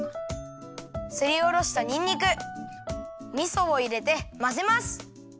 すりおろしたにんにくみそをいれてまぜます。